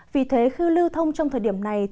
vì thế khi lưu thông trong thời điểm này